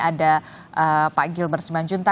ada pak gilber simanjunta